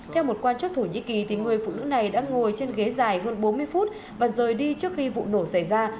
theo một quan chức thổ nhĩ kỳ người phụ nữ này đã ngồi trên ghế dài hơn bốn mươi phút và rời đi trước khi vụ nổ xảy ra